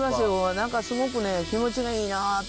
何かすごくね気持ちがいいなって。